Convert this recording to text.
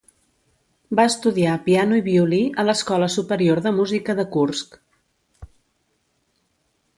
Va estudiar piano i violí a l'Escola Superior de Música de Kursk.